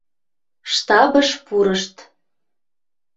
Штабыш пурышт.